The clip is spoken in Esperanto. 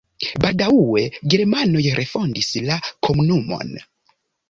Baldaŭe germanoj refondis la komunumon.